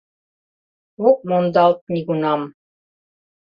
Ок мондалт нигунам.